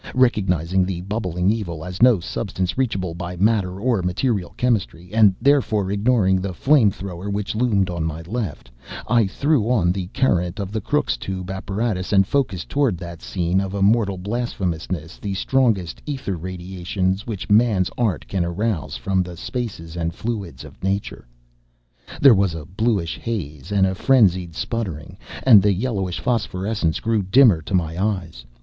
Recognizing the bubbling evil as no substance reachable by matter or material chemistry, and therefore ignoring the flame thrower which loomed on my left, I threw on the current of the Crookes tube apparatus, and focussed toward that scene of immortal blasphemousness the strongest ether radiations which man's art can arouse from the spaces and fluids of nature. There was a bluish haze and a frenzied sputtering, and the yellowish phosphorescence grew dimmer to my eyes.